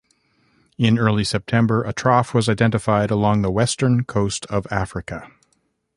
In early September, a trough was identified along the western coast of Africa.